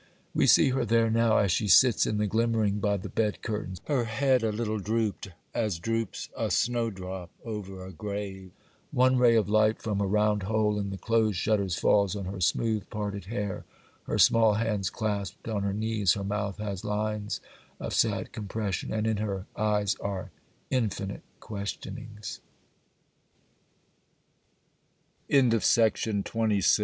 We see her there now, as she sits in the glimmering by the bed curtains,—her head a little drooped, as droops a snowdrop over a grave;—one ray of light from a round hole in the closed shutters falls on her smooth parted hair, her small hands clasped on her knees, her mouth has lines of sad compression, and in her eye